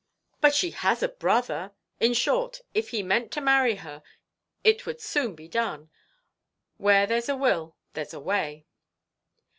"But she has a brother; in short, if he meant to marry her, it would soon be done. Where there's a will, there's a way."